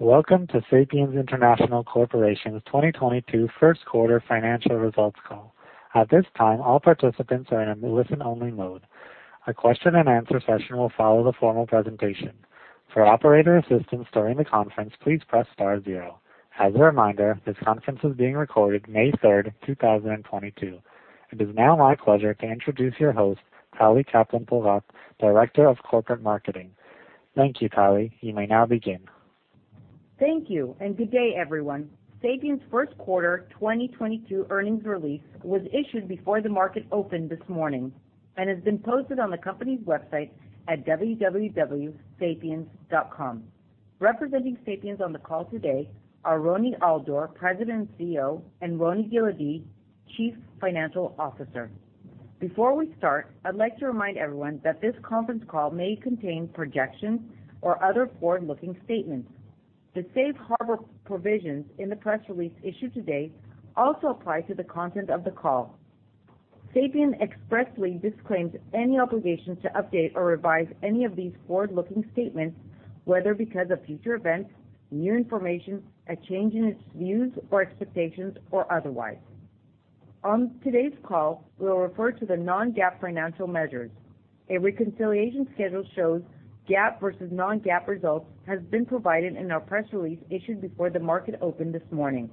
Welcome to Sapiens International Corporation's 2022 Q1 financial results call. At this time, all participants are in a listen-only mode. A question and answer session will follow the formal presentation. For operator assistance during the conference, please press star zero. As a reminder, this conference is being recorded May 3, 2022. It is now my pleasure to introduce your host, Tally Kaplan Porat, Director of Corporate Marketing. Thank you, Tally. You may now begin. Thank you, and good day, everyone. Sapiens' Q1 2022 earnings release was issued before the market opened this morning and has been posted on the company's website at www.sapiens.com. Representing Sapiens on the call today are Roni Al-Dor, President and CEO, and Roni Giladi, Chief Financial Officer. Before we start, I'd like to remind everyone that this conference call may contain projections or other forward-looking statements. The safe harbour provisions in the press release issued today also apply to the content of the call. Sapiens expressly disclaims any obligation to update or revise any of these forward-looking statements, whether because of future events, new information, a change in its views or expectations or otherwise. On today's call, we'll refer to the non-GAAP financial measures. A reconciliation schedule shows GAAP versus non-GAAP results has been provided in our press release issued before the market opened this morning.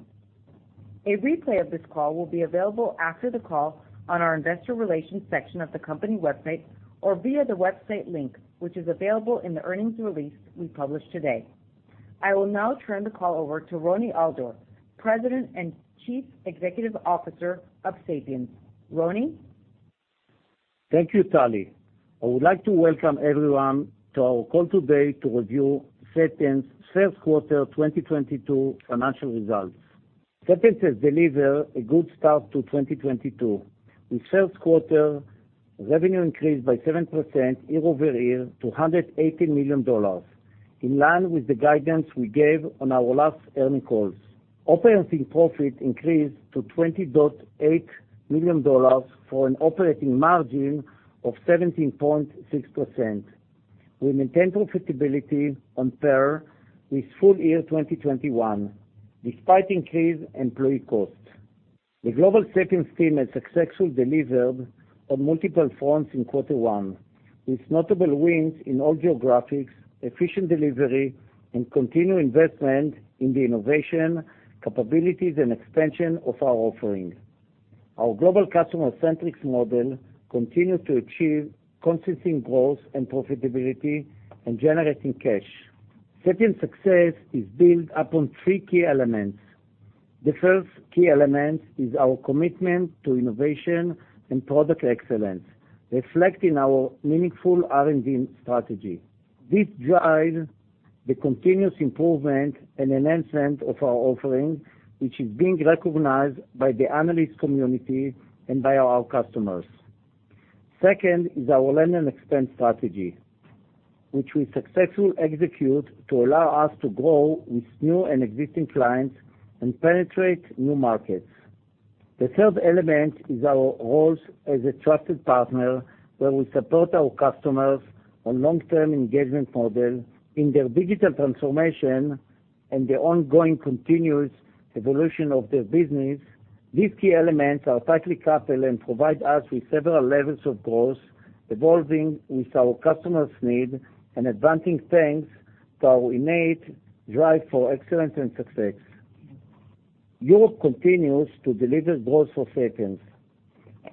A replay of this call will be available after the call on our investor relations section of the company website or via the website link, which is available in the earnings release we published today. I will now turn the call over to Roni Al-Dor, President and Chief Executive Officer of Sapiens. Roni? Thank you, Tally. I would like to welcome everyone to our call today to review Sapiens' Q1 2022 financial results. Sapiens has delivered a good start to 2022. In Q1, revenue increased by 7% year-over-year to $180 million, in line with the guidance we gave on our last earnings call. Operating profit increased to $20.8 million for an operating margin of 17.6%. We maintained profitability on par with full year 2021 despite increased employee costs. The global Sapiens team has successfully delivered on multiple fronts in Q1, with notable wins in all geographies, efficient delivery, and continued investment in the innovation, capabilities, and expansion of our offering. Our global customer-centric model continues to achieve consistent growth and profitability in generating cash. Sapiens' success is built upon 3 key elements. The first key element is our commitment to innovation and product excellence, reflecting our meaningful R&D strategy. This drives the continuous improvement and enhancement of our offering, which is being recognized by the analyst community and by our customers. Second is our land and expand strategy, which we successfully execute to allow us to grow with new and existing clients and penetrate new markets. The third element is our role as a trusted partner, where we support our customers on long-term engagement model in their digital transformation and the ongoing continuous evolution of their business. These key elements are tightly coupled and provide us with several levels of growth, evolving with our customers' needs and advancing things to our innate drive for excellence and success. Europe continues to deliver growth for Sapiens.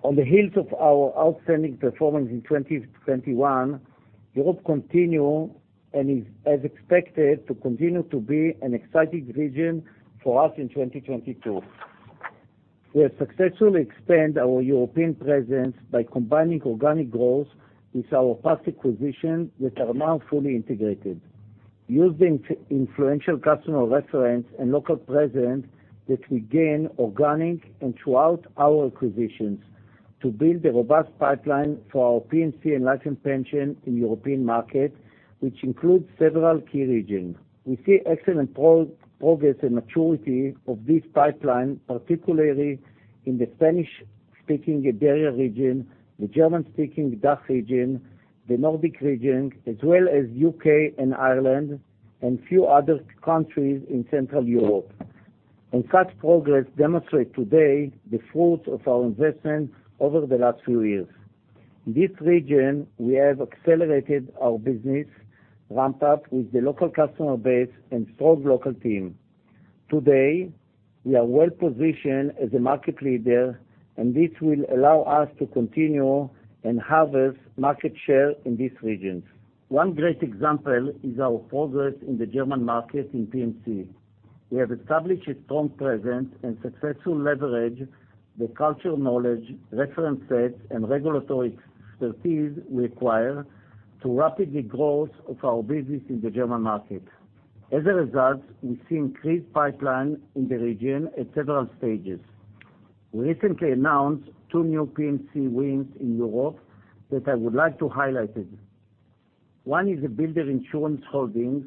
On the heels of our outstanding performance in 2021, Europe continued and is as expected to continue to be an exciting region for us in 2022. We have successfully expanded our European presence by combining organic growth with our past acquisitions, which are now fully integrated. Using influential customer references and local presence that we gained organically and throughout our acquisitions to build a robust pipeline for our P&C and Life & Pensions in European markets, which includes several key regions. We see excellent progress and maturity of this pipeline, particularly in the Spanish-speaking Iberia region, the German-speaking DACH region, the Nordic region, as well as U.K. and Ireland and few other countries in Central Europe. Such progress demonstrates today the fruits of our investment over the last few years. In this region, we have accelerated our business ramp up with the local customer base and strong local team. Today, we are well-positioned as a market leader, and this will allow us to continue and harvest market share in these regions. 1 great example is our progress in the German market in P&C. We have established a strong presence and successful leverage the cultural knowledge, reference sets, and regulatory expertise required for the rapid growth of our business in the German market. As a result, we see increased pipeline in the region at several stages. We recently announced 2 new P&C wins in Europe that I would like to highlight. 1 is Baloise,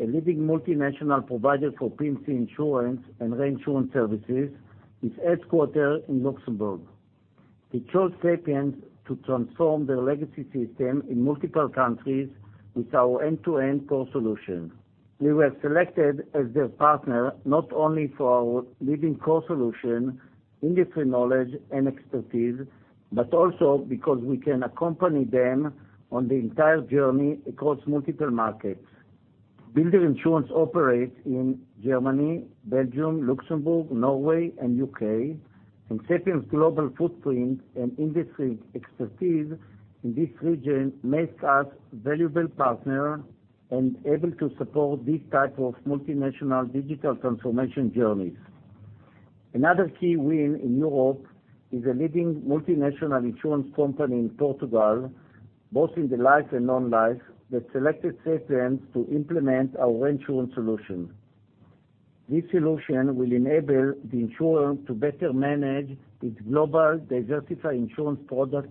a leading multinational provider of P&C Insurance and reinsurance services, is headquartered in Luxembourg. They chose Sapiens to transform their legacy system in multiple countries with our end-to-end core solution. We were selected as their partner, not only for our leading core solution, industry knowledge and expertise, but also because we can accompany them on the entire journey across multiple markets. Baloise operates in Germany, Belgium, Luxembourg, Norway and U.K., and Sapiens global footprint and industry expertise in this region makes us valuable partner and able to support these type of multinational digital transformation journeys. Another key win in Europe is a leading multinational insurance company in Portugal, both in the life and non-life that selected Sapiens to implement our reinsurance solution. This solution will enable the insurer to better manage its global diversified insurance product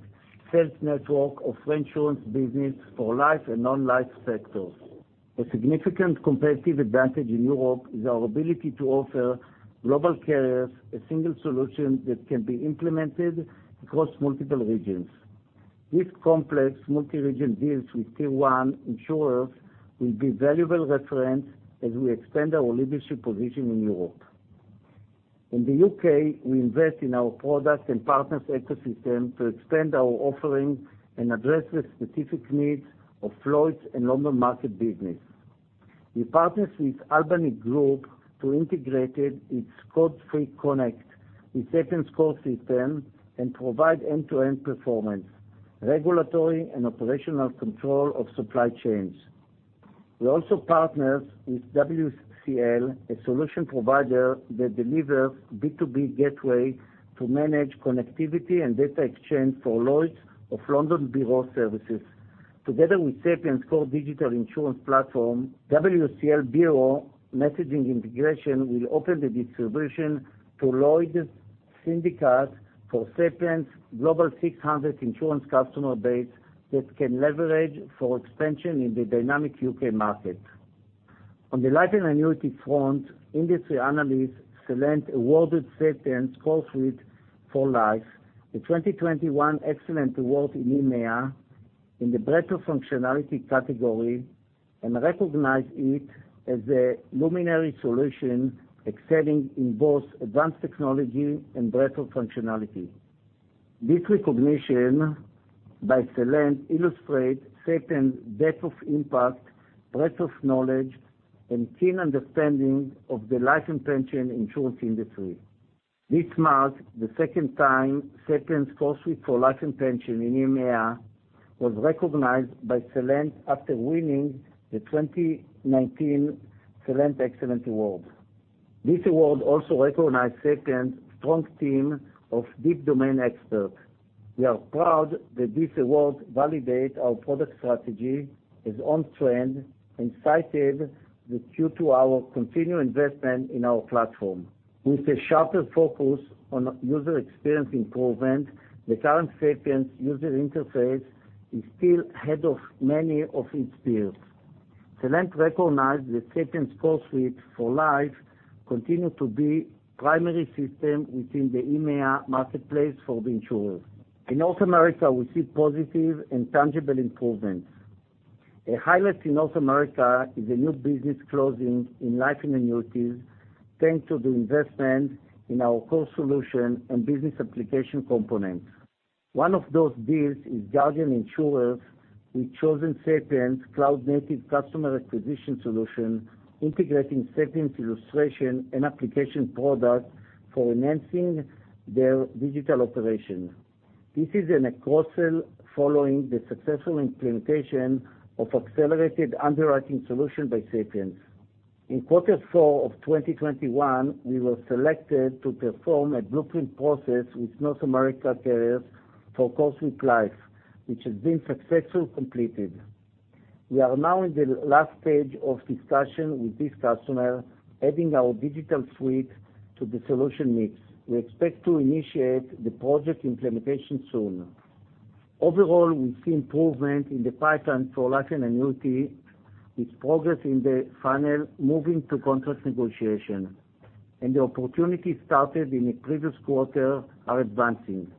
sales network of reinsurance business for life and non-life sectors. A significant competitive advantage in Europe is our ability to offer global carriers a single solution that can be implemented across multiple regions. These complex multi-region deals with T1 insurers will be valuable reference as we expand our leadership position in Europe. In the U.K., we invest in our product and partners ecosystem to expand our offering and address the specific needs of Lloyd's and London market business. We partner with Albany Group to integrate its code-free Connect with Sapiens core system and provide end-to-end performance, regulatory and operational control of supply chains. We also partner with WCL, a solution provider that delivers B2B gateway to manage connectivity and data exchange for Lloyd's of London Bureau services. Together with Sapiens core digital insurance platform, WCL Bureau messaging integration will open the distribution to Lloyd's syndicates for Sapiens global 600 insurance customer base that can leverage for expansion in the dynamic U.K. market. On the life and annuity front, industry analysts Celent awarded Sapiens CoreSuite for Life the 2021 XCelent Award in EMEA in the breadth of functionality category, and recognize it as a luminary solution excelling in both advanced technology and breadth of functionality. This recognition by Celent illustrates Sapiens depth of impact, breadth of knowledge and keen understanding of the life and pension insurance industry. This marks the second time Sapiens CoreSuite for Life and Pensions in EMEA was recognized by Celent after winning the 2019 Celent XCelent Award. This award also recognized Sapiens' strong team of deep domain experts. We are proud that this award validates our product strategy is on trend, it cited that due to our continued investment in our platform. With a sharper focus on user experience improvement, the current Sapiens user interface is still ahead of many of its peers. Celent recognized that Sapiens CoreSuite for Life continues to be primary system within the EMEA marketplace for the insurers. In North America, we see positive and tangible improvements. A highlight in North America is a new business closing in life and annuities, thanks to the investment in our core solution and business application components. 1 of those deals is Guardian who chosen Sapiens cloud-native customer acquisition solution, integrating Sapiens illustration and application product for enhancing their digital operation. This is a cross-sell following the successful implementation of accelerated underwriting solution by Sapiens. In Q4 of 2021, we were selected to perform a blueprint process with North America carriers for CoreSuite for Life, which has been successfully completed. We are now in the last stage of discussion with this customer, adding our DigitalSuite to the solution mix. We expect to initiate the project implementation soon. Overall, we see improvement in the pipeline for life and annuity with progress in the funnel moving to contract negotiation, and the opportunities started in the previous quarter are advancing.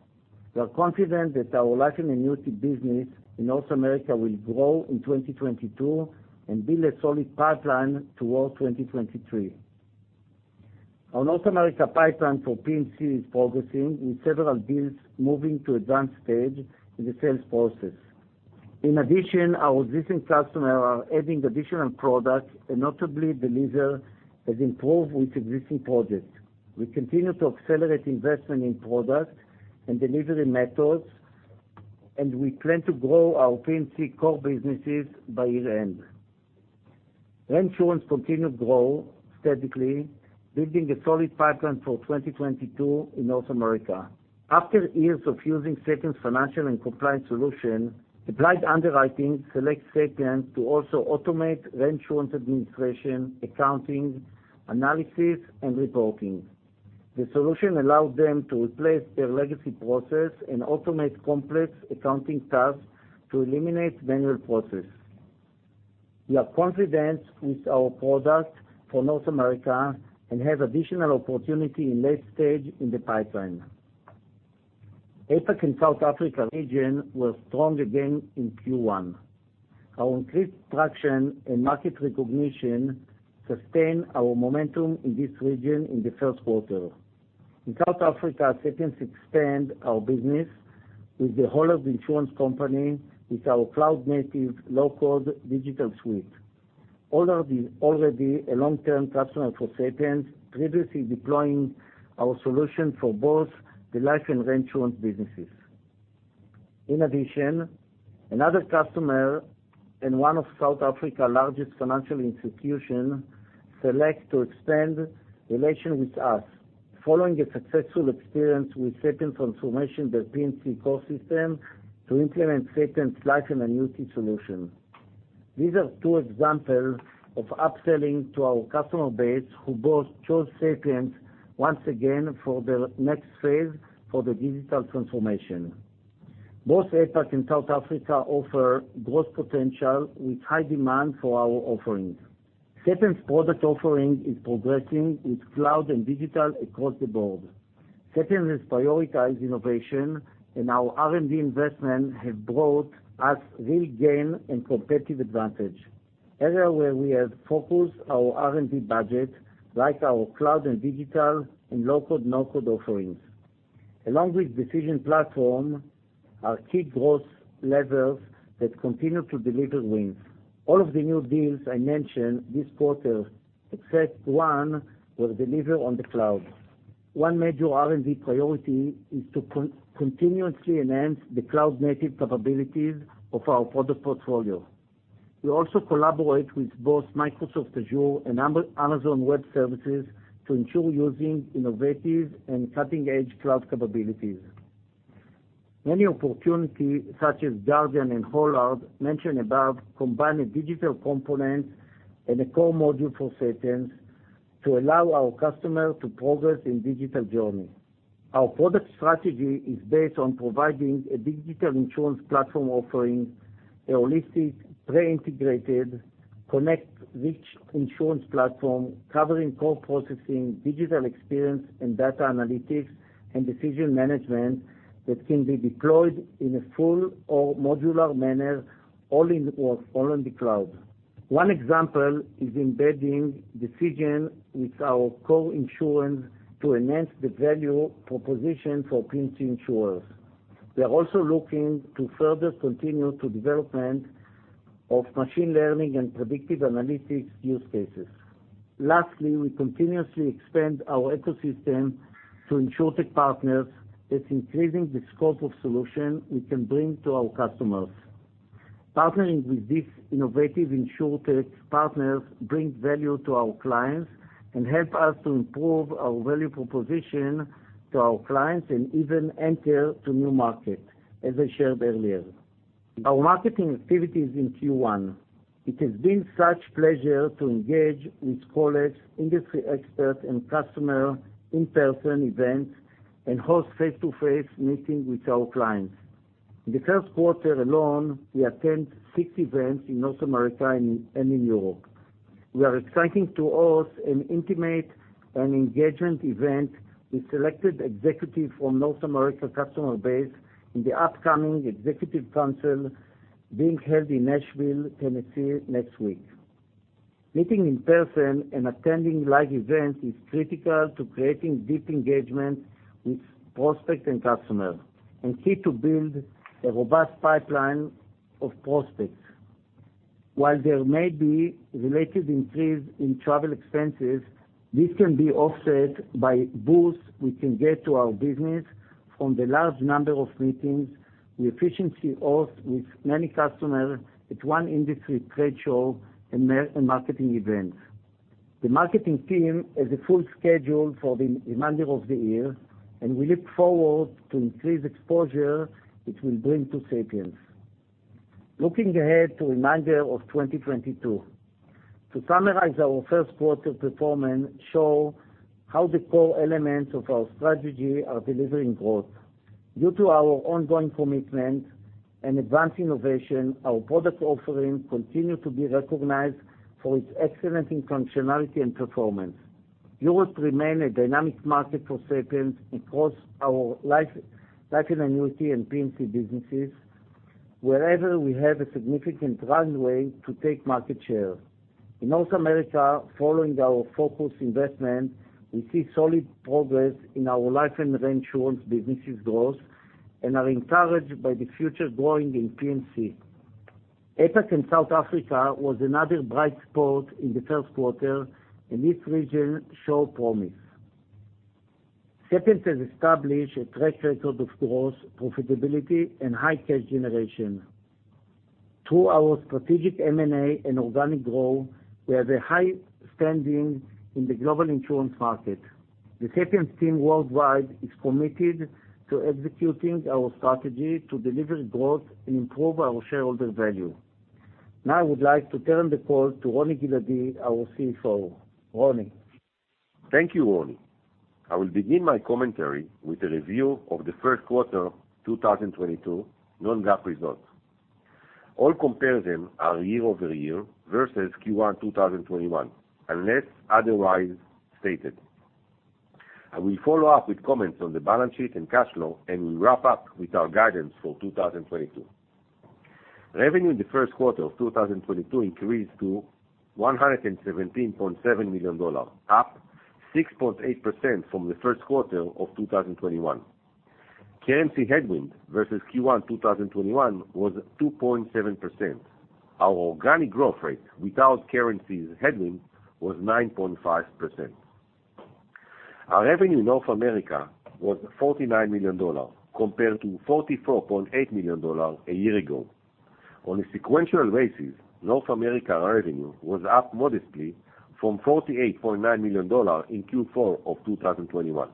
We are confident that our life and annuity business in North America will grow in 2022 and build a solid pipeline towards 2023. Our North America pipeline for P&C is progressing, with several deals moving to advanced stage in the sales process. In addition, our existing customer are adding additional products, and notably delivery has improved with existing projects. We continue to accelerate investment in products and delivery methods, and we plan to grow our P&C core businesses by year-end. Reinsurance continued to grow steadily, building a solid pipeline for 2022 in North America. After years of using Sapiens financial and compliance solution, Applied Underwriters selects Sapiens to also automate reinsurance administration, accounting, analysis, and reporting. The solution allows them to replace their legacy process and automate complex accounting tasks to eliminate manual process. We are confident with our product for North America and have additional opportunity in late stage in the pipeline. APAC and South Africa region were strong again in Q1. Our increased traction and market recognition sustained our momentum in this region in the Q1. In South Africa, Sapiens expand our business with The Hollard Insurance Company with our cloud-native low-code DigitalSuite. The Hollard Insurance Company is already a long-term customer for Sapiens, previously deploying our solution for both the life and reinsurance businesses. In addition, another customer and 1 of South Africa’s largest financial institutions selected to expand relations with us following a successful experience with Sapiens transforming their P&C core system to implement Sapiens’ Life and Annuity solution. These are 2 examples of upselling to our customer base who both chose Sapiens once again for their next phase of the digital transformation. Both APAC and South Africa offer growth potential with high demand for our offerings. Sapiens’ product offering is progressing with cloud and digital across the board. Sapiens has prioritized innovation, and our R&D investment has brought us real gains and competitive advantage. Areas where we have focused our R&D budget, like our cloud and digital and low-code, no-code offerings, along with Decision Platform, our key growth levers that continue to deliver wins. All of the new deals I mentioned this quarter, except one, were delivered on the cloud. 1 major R&D priority is to continuously enhance the cloud-native capabilities of our product portfolio. We also collaborate with both Microsoft Azure and Amazon Web Services to ensure using innovative and cutting-edge cloud capabilities. Many opportunity, such as Guardian and The Hollard Insurance Company mentioned above, combine a digital component and a core module for Sapiens to allow our customer to progress in digital journey. Our product strategy is based on providing a digital insurance platform offering, a holistic, pre-integrated, connect-rich insurance platform covering core processing, digital experience, and data analytics and decision management that can be deployed in a full or modular manner, all in or all on the cloud. 1 example is embedding decision with our core insurance to enhance the value proposition for P&C insurers. We are also looking to further continue to development of machine learning and predictive analytics use cases. Lastly, we continuously expand our ecosystem to InsurTech partners that's increasing the scope of solution we can bring to our customers. Partnering with these innovative InsurTech partners brings value to our clients and help us to improve our value proposition to our clients and even enter to new market, as I shared earlier. Our marketing activities in Q1. It has been such a pleasure to engage with colleagues, industry experts, and customer in-person events, and host face-to-face meeting with our clients. In the Q1 alone, we attend 6 events in North America and in Europe. We are excited to host an intimate and engaging event with selected executive from North America customer base in the upcoming Executive Council being held in Nashville, Tennessee next week. Meeting in person and attending live events is critical to creating deep engagement with prospect and customer, and key to build a robust pipeline of prospects. While there may be related increase in travel expenses, this can be offset by boost we can get to our business from the large number of meetings we efficiently host with many customers at 1 industry trade show and marketing events. The marketing team has a full schedule for the remainder of the year, and we look forward to increased exposure it will bring to Sapiens. Looking ahead to remainder of 2022. To summarize, our Q1 performance show how the core elements of our strategy are delivering growth. Due to our ongoing commitment and advanced innovation, our product offering continue to be recognized for its excellence in functionality and performance. Europe remains a dynamic market for Sapiens across our life and annuity and P&C businesses, wherever we have a significant runway to take market share. In North America, following our focused investment, we see solid progress in our life and reinsurance businesses growth and are encouraged by the future growth in P&C. APAC and South Africa were another bright spot in the Q1, and this region shows promise. Sapiens has established a track record of growth, profitability, and high cash generation. Through our strategic M&A and organic growth, we have a high standing in the global insurance market. The Sapiens team worldwide is committed to executing our strategy to deliver growth and improve our shareholder value. Now I would like to turn the call to Roni Giladi, our CFO. Roni. Thank you, Roni. I will begin my commentary with a review of the Q1, 2022 non-GAAP results. All comparisons are year-over-year versus Q1 2021, unless otherwise stated. I will follow up with comments on the balance sheet and cash flow, and we'll wrap up with our guidance for 2022. Revenue in the Q1 of 2022 increased to $117.7 million, up 6.8% from the Q1 of 2021. Currency headwind versus Q1 2021 was 2.7%. Our organic growth rate without currency headwind was 9.5%. Our revenue in North America was $49 million compared to $44.8 million a year ago. On a sequential basis, North America revenue was up modestly from $48.9 million in Q4 of 2021.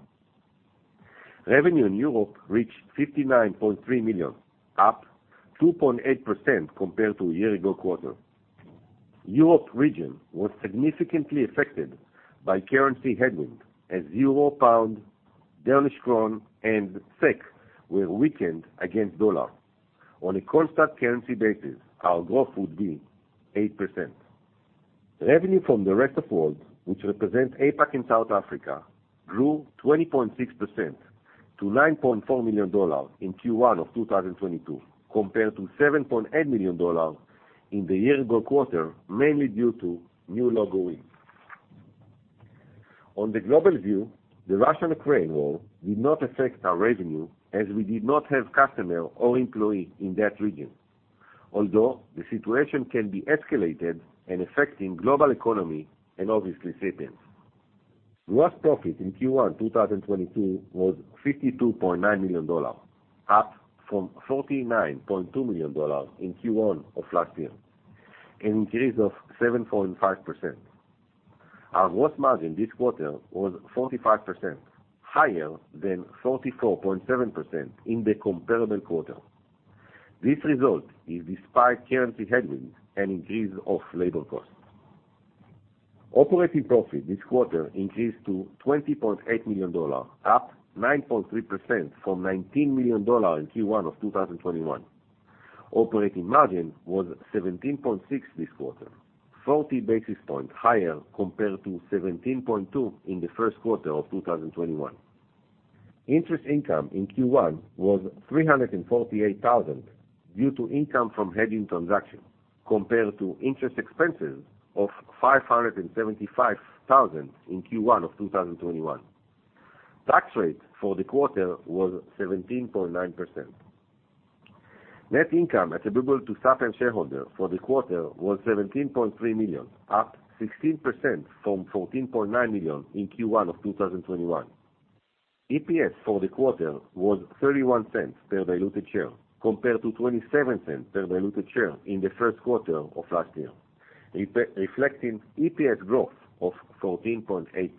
Revenue in Europe reached $59.3 million, up 2.8% compared to a year ago quarter. Europe region was significantly affected by currency headwind, as euro, pound, Danish krone, and SEK were weakened against dollar. On a constant currency basis, our growth would be 8%. Revenue from the rest of world, which represents APAC and South Africa, grew 20.6% to $9.4 million in Q1 of 2022, compared to $7.8 million in the year ago quarter, mainly due to new logo wins. On the global view, the Russia-Ukraine war did not affect our revenue as we did not have customer or employee in that region. Although the situation can be escalated and affecting global economy and obviously Sapiens. Gross profit in Q1 2022 was $52.9 million, up from $49.2 million in Q1 of last year, an increase of 7.5%. Our gross margin this quarter was 45%, higher than 44.7% in the comparable quarter. This result is despite currency headwinds and increase of labor cost. Operating profit this quarter increased to $20.8 million, up 9.3% from $19 million in Q1 of 2021. Operating margin was 17.6% this quarter, 40 basis points higher compared to 17.2% in the Q1 of 2021. Interest income in Q1 was $348 thousand due to income from hedging transaction, compared to interest expenses of $575 thousand in Q1 of 2021. Tax rate for the quarter was 17.9%. Net income attributable to Sapiens shareholders for the quarter was $17.3 million, up 16% from $14.9 million in Q1 of 2021. EPS for the quarter was $0.31 per diluted share, compared to $0.27 per diluted share in the Q1 of last year, reflecting EPS growth of 14.8%.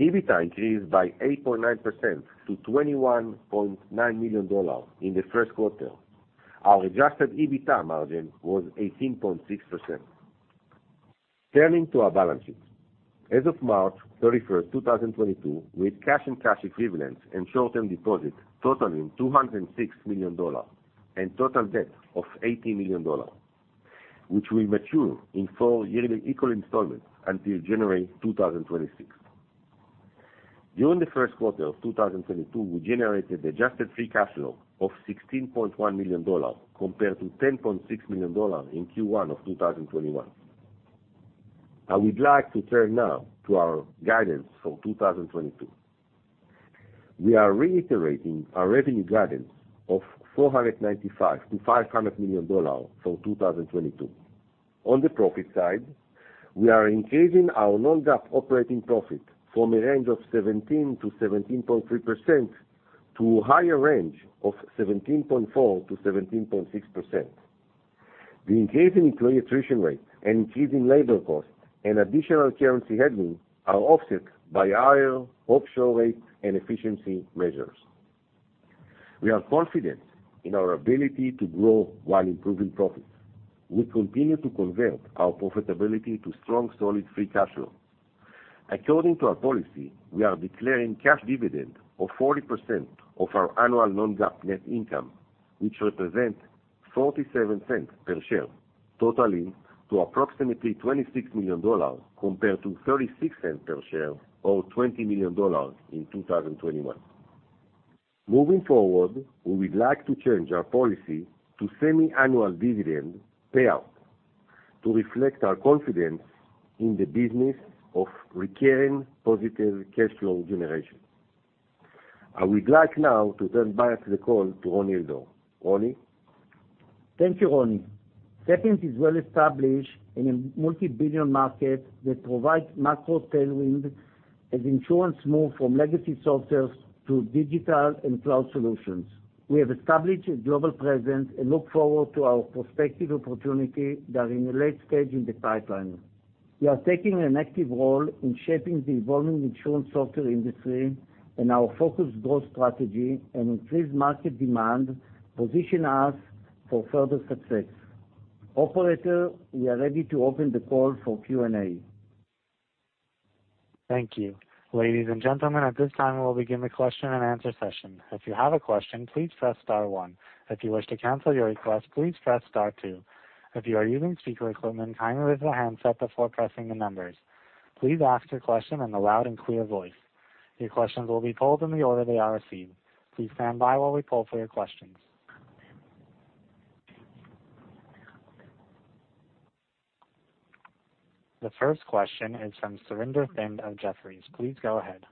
EBITDA increased by 8.9% to $21.9 million in the Q1. Our adjusted EBITDA margin was 18.6%. Turning to our balance sheet. As of March 31, 2022, with cash and cash equivalents and short-term deposits totalling $206 million and total debt of $80 million, which will mature in 4 yearly equal installments until January 2026. During the Q1 of 2022, we generated adjusted free cash flow of $16.1 million compared to $10.6 million in Q1 of 2021. I would like to turn now to our guidance for 2022. We are reiterating our revenue guidance of $495 million-$500 million for 2022. On the profit side, we are increasing our non-GAAP operating profit from a range of 17%-17.3% to a higher range of 17.4%-17.6%. The increase in employee attrition rate and increase in labor cost and additional currency headwind are offset by higher offshore rates and efficiency measures. We are confident in our ability to grow while improving profits. We continue to convert our profitability to strong, solid free cash flow. According to our policy, we are declaring cash dividend of 40% of our annual non-GAAP net income, which represent $0.47 per share, totaling to approximately $26 million, compared to $0.36 per share or $20 million in 2021. Moving forward, we would like to change our policy to semi-annual dividend payout to reflect our confidence in the business of recurring positive cash flow generation. I would like now to turn back the call to Roni Al-Dor. Roni? Thank you, Roni. Sapiens is well established in a multi-billion market that provides macro tailwind as insurance move from legacy sources to digital and cloud solutions. We have established a global presence and look forward to our prospective opportunity that are in the late stage in the pipeline. We are taking an active role in shaping the evolving insurance software industry and our focused growth strategy and increased market demand position us for further success. Operator, we are ready to open the call for Q&A. Thank you. Ladies and gentlemen, at this time we will begin the question and answer session. If you have a question, please press star 1. If you wish to cancel your request, please press star 2. If you are using speaker equipment, kindly raise the handset before pressing the numbers. Please ask your question in a loud and clear voice. Your questions will be pulled in the order they are received. Please stand by while we pull for your questions. The first question is from Surinder Singh of Jefferies. Please go ahead.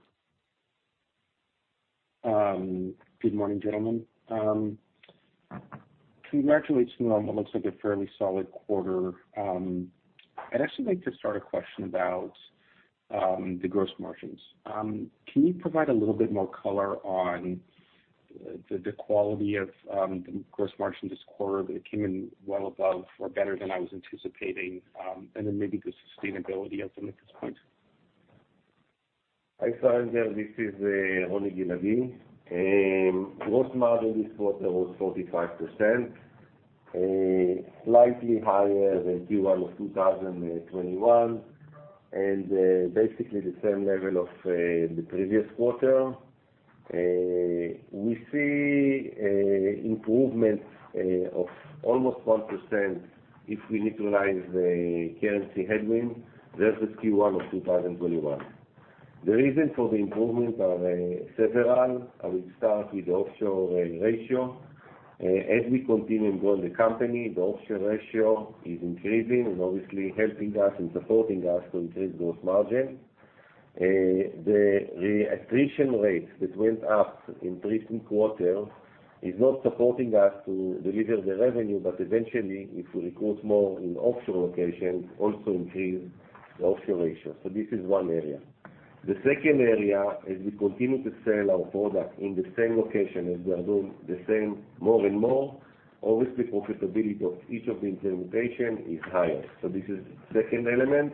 Good morning, gentlemen. Congratulations on what looks like a fairly solid quarter. I'd actually like to start a question about the gross margins. Can you provide a little bit more color on the quality of the gross margin this quarter that it came in well above or better than I was anticipating, and then maybe the sustainability of them at this point? Hi, Surinder, this is Roni Giladi. Gross margin this quarter was 45%. Slightly higher than Q1 of 2021, and basically the same level as the previous quarter. We see improvements of almost 1% if we neutralize the currency headwind versus Q1 of 2021. The reason for the improvement are several. I will start with the offshore ratio. As we continue to grow the company, the offshore ratio is increasing and obviously helping us and supporting us to increase gross margin. The attrition rate that went up in recent quarter is not supporting us to deliver the revenue, but eventually if we recruit more in offshore locations, also increase the offshore ratio. This is 1 area. The second area, as we continue to sell our product in the same location as we are doing the same more and more, obviously profitability of each of the implementation is higher. This is second element.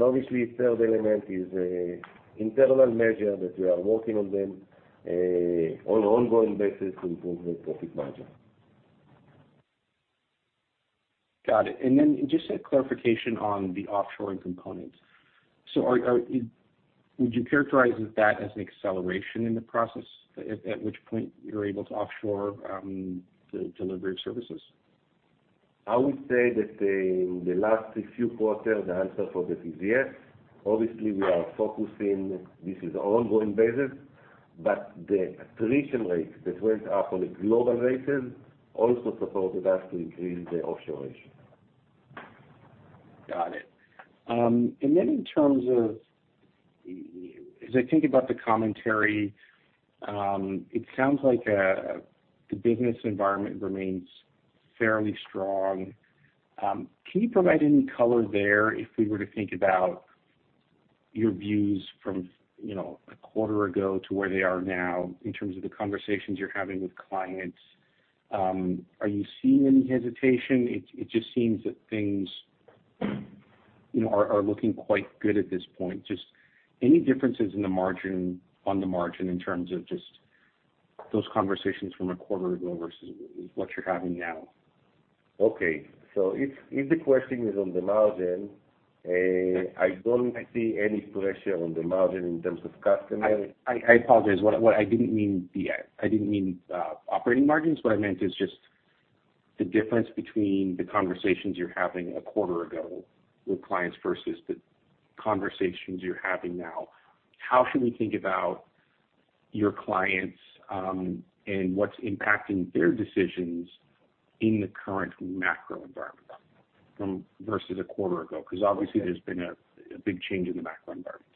Obviously, third element is, internal measure that we are working on them, on an ongoing basis to improve the profit margin. Got it. Just a clarification on the offshoring component. Are you characterize that as an acceleration in the process at which point you're able to offshore the delivery of services? I would say that the last few quarters, the answer for that is yes. Obviously, we are focusing, this is ongoing basis, but the attrition rate that went up on a global basis also supported us to increase the offshore ratio. Got it. In terms of as I think about the commentary, it sounds like the business environment remains fairly strong. Can you provide any color there if we were to think about your views from, you know, a quarter ago to where they are now in terms of the conversations you're having with clients? Are you seeing any hesitation? It just seems that things, you know, are looking quite good at this point. Just any differences on the margin in terms of just those conversations from a quarter ago versus what you're having now? Okay. If the question is on the margin, I don't see any pressure on the margin in terms of customer- I apologize. I didn't mean operating margins. What I meant is just the difference between the conversations you're having a quarter ago with clients versus the conversations you're having now. How should we think about your clients, and what's impacting their decisions in the current macro environment from versus a quarter ago? Because obviously there's been a big change in the macro environment.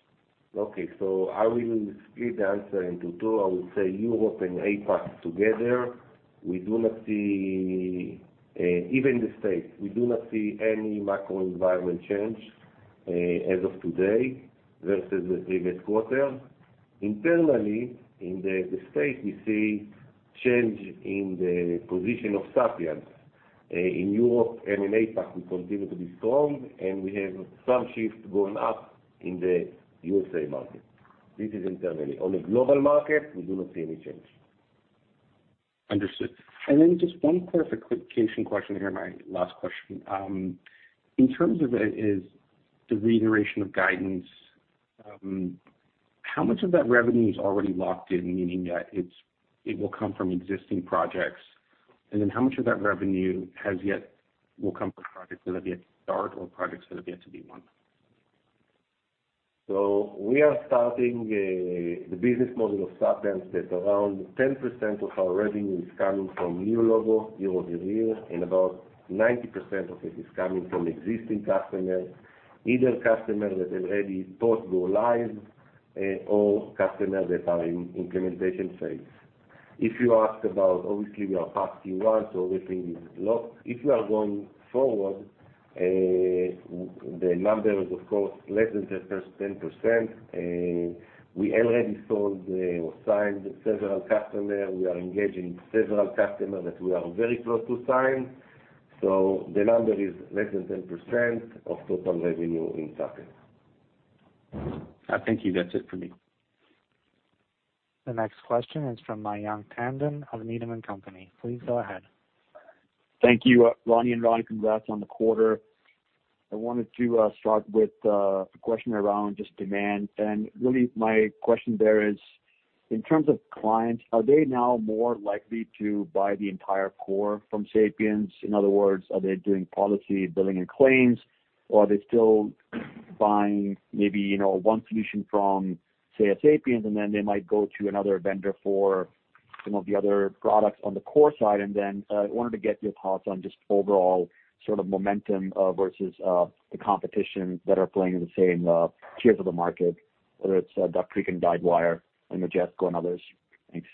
Okay. I will split the answer into 2. I would say Europe and APAC together, we do not see, even the States, we do not see any macro environment change, as of today versus the previous quarter. Internally, in the States, we see change in the position of Sapiens. In Europe and in APAC, we continue to be strong, and we have some shift going up in the USA market. This is internally. On a global market, we do not see any change. Understood. Just 1 clarification question here, my last question. In terms of the reiteration of guidance, how much of that revenue is already locked in, meaning that it will come from existing projects? How much of that revenue will come from projects that have yet to start or projects that have yet to be won? We are starting the business model of Sapiens that around 10% of our revenue is coming from new logo, year-over-year, and about 90% of it is coming from existing customers, either customers that already went live, or customers that are in implementation phase. If you ask about obviously we are past Q1, so everything is locked. If you are going forward, the number is of course less than 10%. We already sold or signed several customers. We are engaging several customers that we are very close to sign. The number is less than 10% of total revenue in Sapiens. Thank you. That's it for me. The next question is from Mayank Tandon of Needham & Company. Please go ahead. Thank you, Roni and Roni, congrats on the quarter. I wanted to start with a question around just demand. Really my question there is in terms of clients, are they now more likely to buy the entire core from Sapiens? In other words, are they doing policy, billing and claims, or are they still buying maybe, you know, 1 solution from, say, a Sapiens, and then they might go to another vendor for some of the other products on the core side? I wanted to get your thoughts on just overall sort of momentum versus the competition that are playing in the same tiers of the market, whether it's Duck Creek and Guidewire, and Majesco and others. Thanks.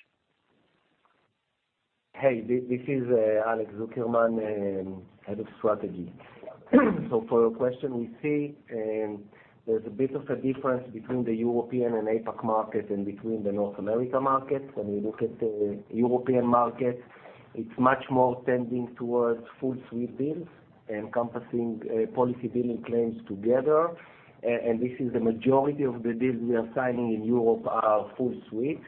Hey, this is Alex Zukerman, Head of Strategy. For your question, we see there's a bit of a difference between the European and APAC market and between the North America markets. When we look at the European market, it's much more tending towards full suite deals encompassing policy, billing, claims together. This is the majority of the deals we are signing in Europe are full suite.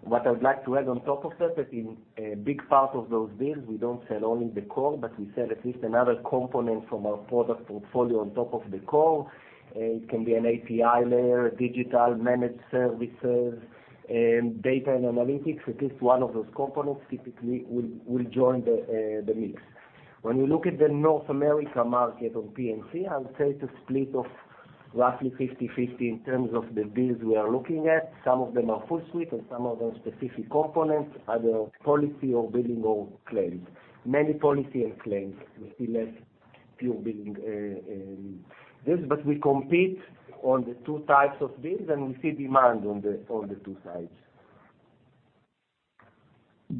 What I'd like to add on top of that in a big part of those deals, we don't sell only the core, but we sell at least another component from our product portfolio on top of the core. It can be an API layer, digital managed services, data and analytics. At least 1 of those components typically will join the mix. When we look at the North America market on P&C, I would say it's a split of roughly 50/50 in terms of the deals we are looking at. Some of them are full suite and some of them specific components, either policy or billing or claims. Many policy and claims. We see less pure billing deals. We compete on the 2 types of deals, and we see demand on the 2 sides.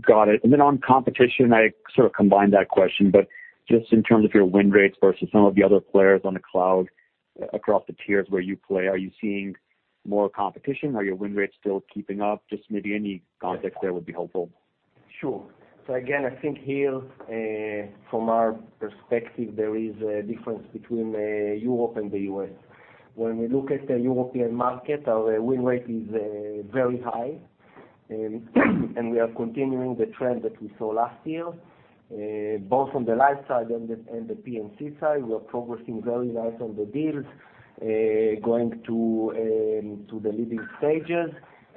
Got it. On competition, I sort of combined that question, but just in terms of your win rates versus some of the other players on the cloud across the tiers where you play, are you seeing more competition? Are your win rates still keeping up? Just maybe any context there would be helpful. Sure. Again, I think here, from our perspective, there is a difference between Europe and the U.S. When we look at the European market, our win rate is very high. We are continuing the trend that we saw last year, both on the life side and the P&C side. We are progressing very well on the deals, going to the leading stages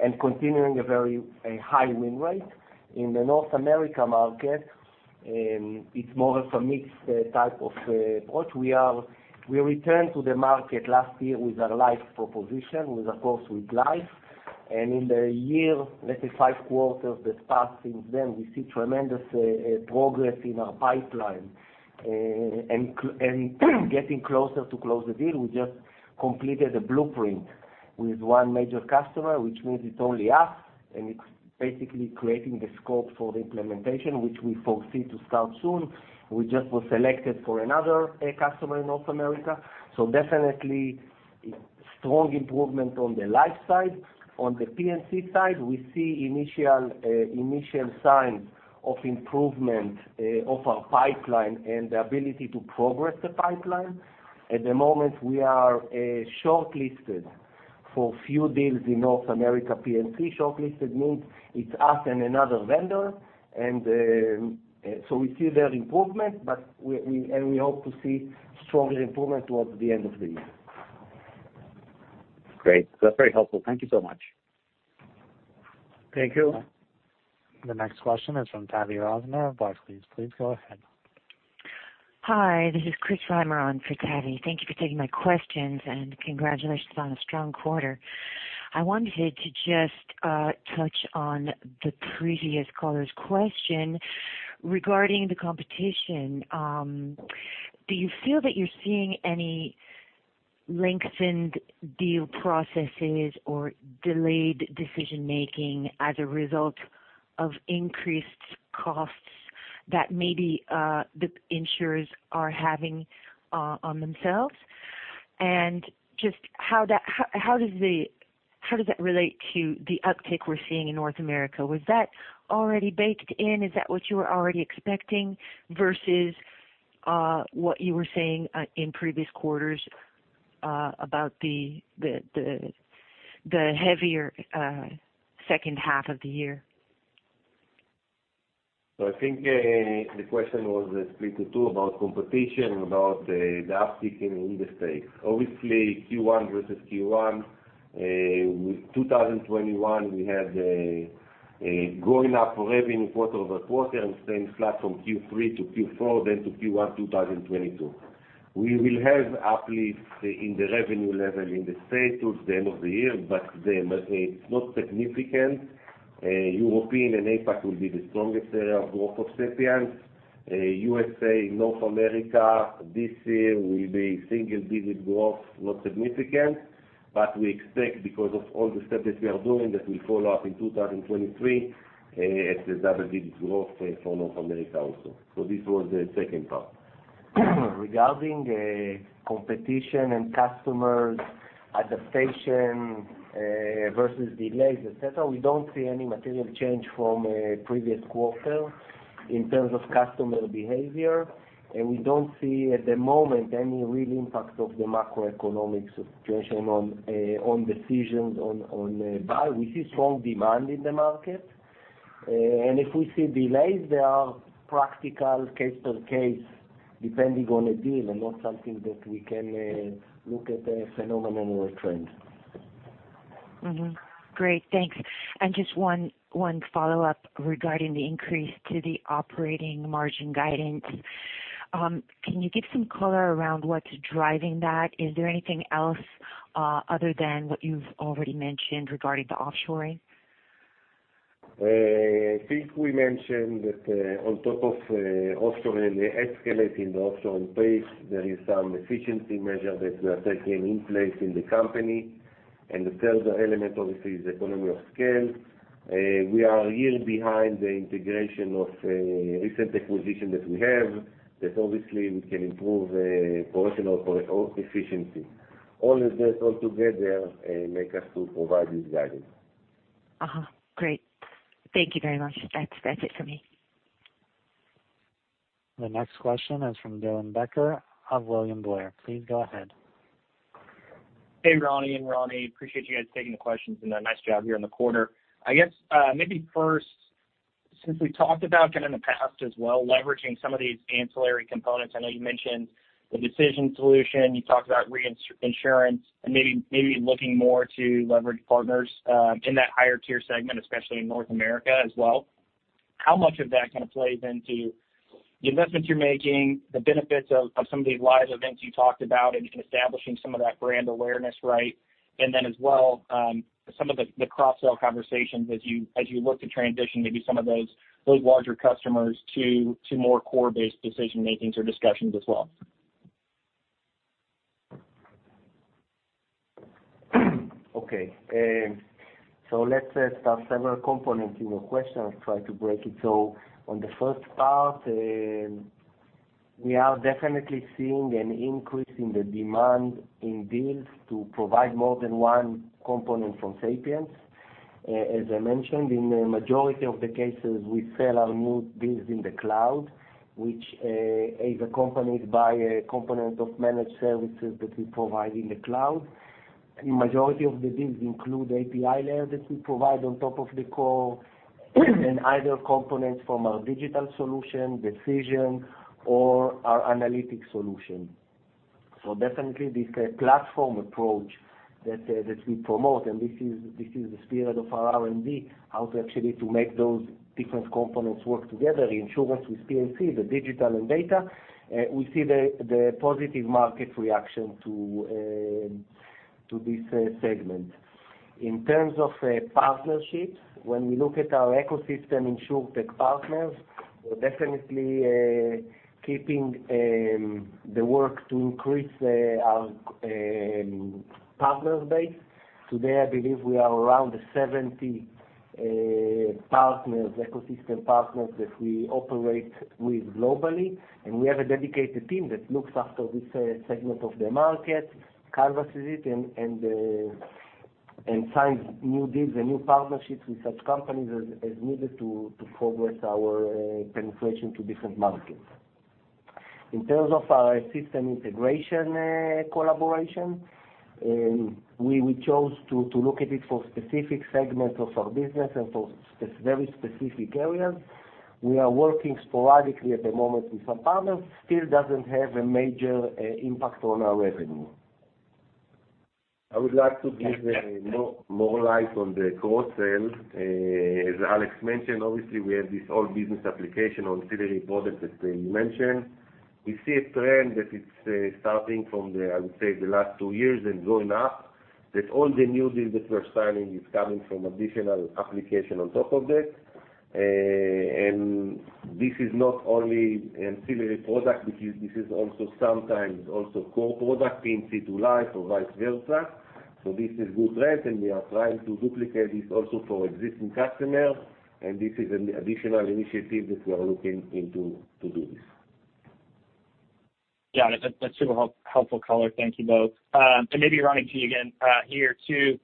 and continuing a very high win rate. In the North America market, it's more of a mixed type of approach. We returned to the market last year with a life proposition, with a full suite life. In the year, let's say 5 quarters that passed since then, we see tremendous progress in our pipeline and getting closer to close the deal. We just completed a blueprint with 1 major customer, which means it's only us, and it's basically creating the scope for the implementation, which we foresee to start soon. We just were selected for another customer in North America. Definitely strong improvement on the life side. On the P&C side, we see initial signs of improvement of our pipeline and the ability to progress the pipeline. At the moment we are shortlisted for few deals in North America P&C. Shortlisted means it's us and another vendor. We see there improvement, but we hope to see stronger improvement towards the end of the year. Great. That's very helpful. Thank you so much. Thank you. The next question is from Tavy Rosner of Barclays. Please go ahead. Hi, this is Chris Reimer on for Tavy. Thank you for taking my questions, and congratulations on a strong quarter. I wanted to just touch on the previous caller's question regarding the competition. Do you feel that you're seeing any lengthened deal processes or delayed decision-making as a result of increased costs that maybe the insurers are having on themselves? Just how does that relate to the uptick we're seeing in North America? Was that already baked in? Is that what you were already expecting versus what you were saying in previous quarters about the heavier H2 of the year? I think the question was split in 2 about competition, about the uptick in the States. Obviously Q1 versus Q1 with 2021, we had a growth in revenue quarter-over-quarter and staying flat from Q3 to Q4, then to Q1 2022. We will have uplifts in the revenue level in the States through the end of the year, but it's not significant. European and APAC will be the strongest area of growth of Sapiens. USA, North America this year will be single-digit growth, not significant. We expect because of all the steps that we are doing that will follow up in 2023 as a double-digit growth for North America also. This was the second part. Regarding competition and customer adaptation versus delays, et cetera, we don't see any material change from previous quarter in terms of customer behaviour. We don't see at the moment any real impact of the macroeconomic situation on decisions to buy. We see strong demand in the market. If we see delays, they are case by case, depending on a deal and not something that we can look at as a phenomenon or a trend. Mm-hmm. Great. Thanks. Just 1 follow-up regarding the increase to the operating margin guidance. Can you give some color around what's driving that? Is there anything else other than what you've already mentioned regarding the offshoring? I think we mentioned that, on top of offshoring, escalating the offshoring pace, there is some efficiency measure that we are taking place in the company. The third element, obviously, is economy of scale. We are a year behind the integration of recent acquisition that we have that obviously we can improve operational efficiency. All of that together make us to provide this guidance. Great. Thank you very much. That's it for me. The next question is from Dylan Becker of William Blair. Please go ahead. Hey, Roni and Roni. Appreciate you guys taking the questions, and then nice job here in the quarter. I guess, maybe first, since we talked about kind of in the past as well, leveraging some of these ancillary components. I know you mentioned the decision solution. You talked about reinsurance and maybe looking more to leverage partners in that higher tier segment, especially in North America as well. How much of that kind of plays into the investments you're making, the benefits of some of these live events you talked about in establishing some of that brand awareness, right? And then as well, some of the cross sell conversations as you look to transition maybe some of those larger customers to more core-based decision makings or discussions as well. Okay, let's start several components in your question. I'll try to break it. On the first part, we are definitely seeing an increase in the demand in deals to provide more than 1 component from Sapiens. As I mentioned, in the majority of the cases, we sell our new deals in the cloud, which is accompanied by a component of managed services that we provide in the cloud. In majority of the deals include API layer that we provide on top of the core, and either components from our digital solution, decision or our analytic solution. Definitely this platform approach that we promote, and this is the spirit of our R&D, how to actually make those different components work together, the insurance with P&C, the digital and data. We see the positive market reaction to this segment. In terms of partnerships, when we look at our ecosystem InsurTech partners, we're definitely keeping the work to increase our partners base. Today, I believe we are around 70 partners, ecosystem partners that we operate with globally, and we have a dedicated team that looks after this segment of the market, canvases it and signs new deals and new partnerships with such companies as needed to progress our penetration to different markets. In terms of our system integration collaboration, we chose to look at it for specific segments of our business and for very specific areas. We are working sporadically at the moment with some partners. Still doesn't have a major impact on our revenue. I would like to give more light on the cross sell. As Alex mentioned, obviously we have this all business application, ancillary products that you mentioned. We see a trend that it's starting from the, I would say, the last 2 years and going up, that all the new deals that we're signing is coming from additional application on top of that. This is not only ancillary product. This is also sometimes core product, P&C to life or vice versa. This is good trend, and we are trying to duplicate this also for existing customers, and this is an additional initiative that we are looking into to do this. Yeah. That's super helpful colour. Thank you both. Maybe Roni, to you again, here too.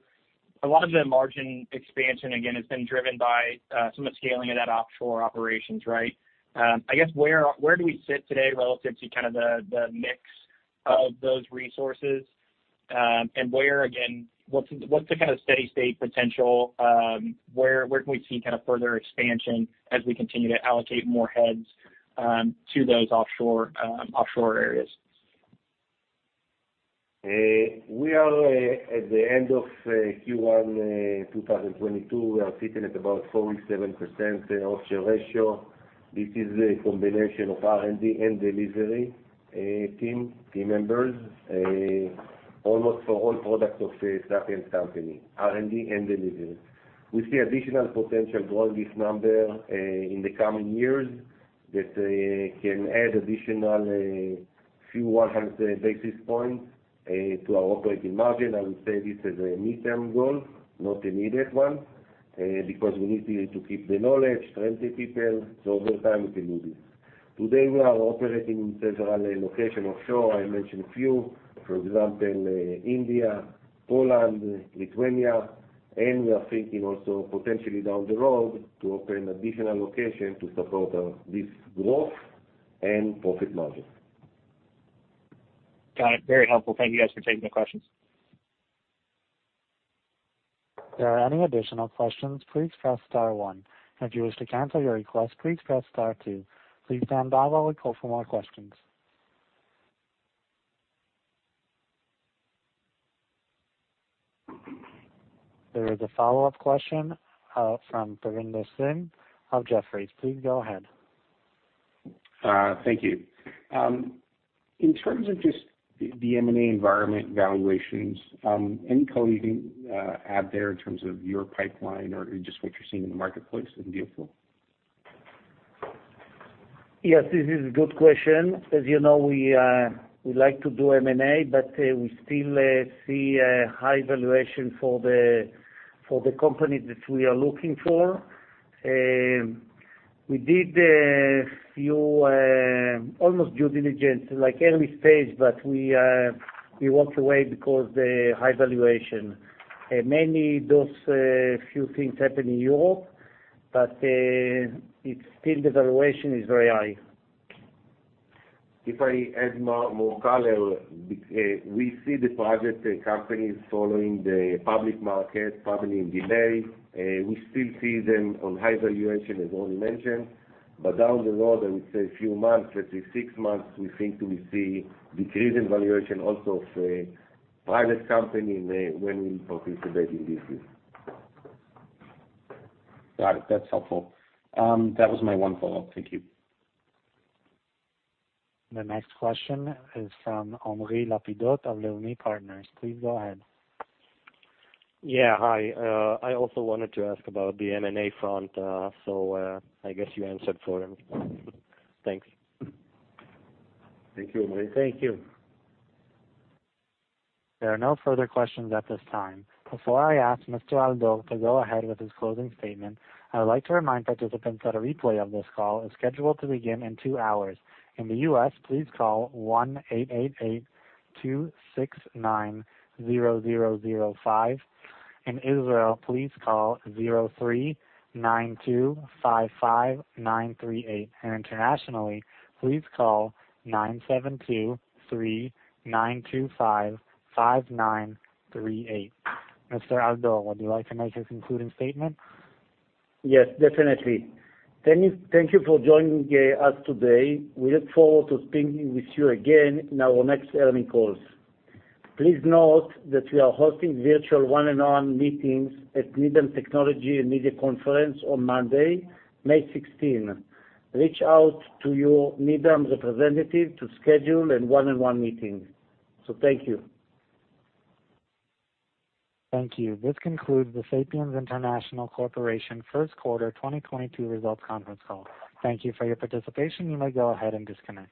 A lot of the margin expansion again has been driven by some of the scaling of that offshore operations, right? I guess where do we sit today relative to kind of the mix of those resources? Where again, what's the kind of steady state potential? Where can we see kind of further expansion as we continue to allocate more heads to those offshore areas? We are at the end of Q1 2022. We are sitting at about 47% offshore ratio. This is a combination of R&D and delivery team members almost for all products of Sapiens company, R&D and delivery. We see additional potential growing this number in the coming years that can add additional few hundred basis points to our operating margin. I would say this is a midterm goal, not an immediate one, because we need to keep the knowledge, train the people. Over time, we can do this. Today, we are operating in several locations offshore. I mentioned a few. For example, India, Poland, Lithuania, and we are thinking also potentially down the road to open additional locations to support this growth and profit margin. Got it. Very helpful. Thank you guys for taking the questions. There is a follow-up question from Surinder Singh of Jefferies. Please go ahead. Thank you. In terms of just the M&A environment valuations, any color you can add there in terms of your pipeline or just what you're seeing in the marketplace in deal flow? Yes, this is a good question. As you know, we like to do M&A, but we still see a high valuation for the company that we are looking for. We did a few almost due diligence, like every page, but we walked away because the high valuation. Many of those few things happen in Europe, but it's still the valuation is very high. If I add more color, we see the private companies following the public market, probably in delay. We still see them on high valuation, as Ronny mentioned. Down the road, I would say a few months, let's say 6 months, we think we see decrease in valuation also of a private company when we participate in these deals. Got it. That's helpful. That was my 1 follow-up. Thank you. The next question is from Henri Lapidot of Leumi Partners. Please go ahead. Yeah. Hi. I also wanted to ask about the M&A front, so I guess you answered for him. Thanks. Thank you, Henri. Thank you. There are no further questions at this time. Before I ask Mr. Al-Dor to go ahead with his closing statement, I would like to remind participants that a replay of this call is scheduled to begin in 2 hours. In the U.S., please call 1-888-269-0005. In Israel, please call 03-925-5938. Internationally, please call 972-3-925-5938. Mr. Al-Dor, would you like to make your concluding statement? Yes, definitely. Thank you for joining us today. We look forward to speaking with you again in our next earnings calls. Please note that we are hosting virtual one-on-one meetings at Needham Technology & Media Conference on Monday, May 16th. Reach out to your Needham representative to schedule a one-on-one meeting. Thank you. Thank you. This concludes the Sapiens International Corporation Q1 2022 results conference call. Thank you for your participation. You may go ahead and disconnect.